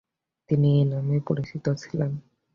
তিনি এই নামেই পরিচিত ছিলেন।